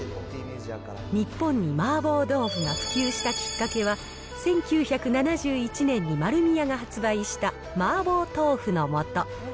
日本に麻婆豆腐が普及したきっかけは、１９７１年に丸美屋が発売した麻婆豆腐の素。